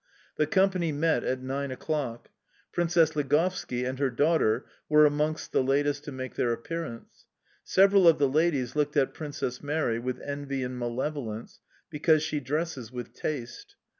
The company met at nine o'clock. Princess Ligovski and her daughter were amongst the latest to make their appearance. Several of the ladies looked at Princess Mary with envy and malevolence, because she dresses with taste.